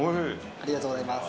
ありがとうございます。